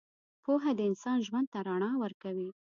پوهه د انسان ژوند ته رڼا ورکوي.